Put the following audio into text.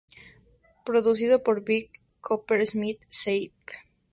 Producido por Vic Coppersmith-Heaven.